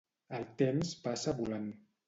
El temps passa volant